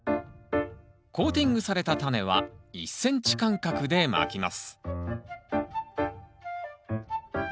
コーティングされたタネは１ｃｍ間隔でまきます